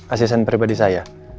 asisten pribadi saya